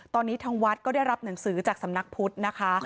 ตอนนี้ทางวัดก็ได้รับหนังสือจากสำนักพุทธนะคะ